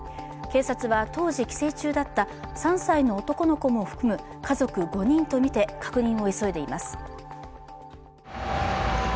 警察は当時帰省中だった３歳の男の子も含む家族５人とみて確認を急いでいます。